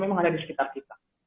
memang ada di sekitar kita